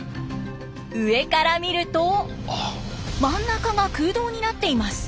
上から見ると真ん中が空洞になっています。